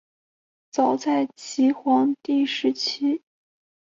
早在齐高帝时期就设立校籍官和置令史来清查户籍。